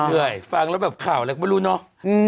ฟังแล้วแบบข่าวอะไรก็ไม่รู้เนอะ